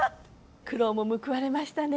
苦労も報われましたね。